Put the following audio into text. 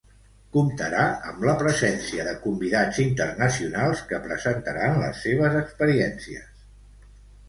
Comptarà amb la presència de convidats internacionals que presentaran les seves experiències.